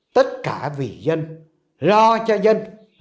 tất cả vì dân lo cho dân